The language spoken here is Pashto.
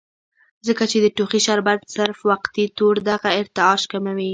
ځکه چې د ټوخي شربت صرف وقتي طور دغه ارتعاش کموي